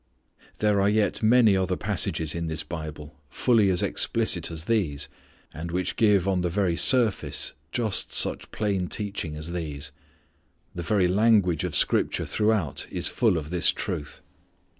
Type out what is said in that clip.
There are yet many other passages in this Bible fully as explicit as these, and which give on the very surface just such plain teaching as these. The very language of scripture throughout is full of this truth.